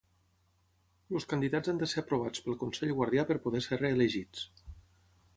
Els candidats han de ser aprovats pel Consell Guardià per poder ser reelegits.